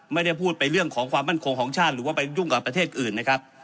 ไม่ได้พูดไปเรื่องของความมั่นคงของชาติหรือว่าไปยุ่งกับประเทศอื่นนะครับ